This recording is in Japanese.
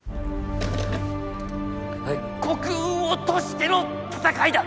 国運を賭しての闘いだ。